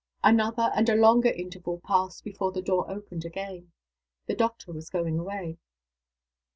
Another and a longer interval passed before the door opened again. The doctor was going away.